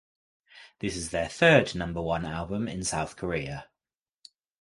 This is their third number one album in South Korea.